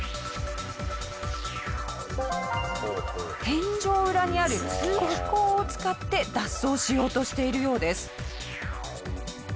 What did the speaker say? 天井裏にある通気口を使って脱走しようとしているようです。